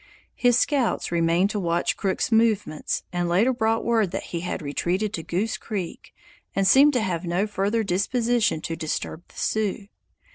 His scouts remained to watch Crook's movements, and later brought word that he had retreated to Goose Creek and seemed to have no further disposition to disturb the Sioux.